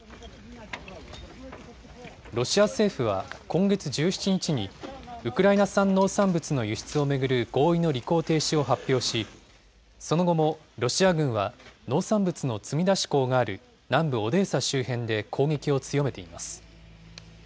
ロシア政府は今月１７日に、ウクライナ産農産物の輸出を巡る合意の履行停止を発表し、その後も、ロシア軍は農産物の積み出し港がある南部オデーサ周辺で攻撃を強めています。